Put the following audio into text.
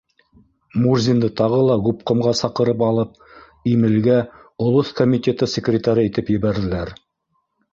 Мурзинды тағы ла губкомға саҡырып алып, Имелгә олоҫ комитеты секретары итеп ебәрҙеләр.